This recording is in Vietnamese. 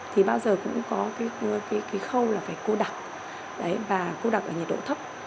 thì bao giờ cũng có cái khâu là phải cô đặc và cô đặc ở nhiệt độ thấp